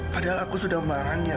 padahal aku sudah marah nia